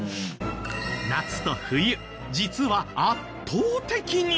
夏と冬実は圧倒的に！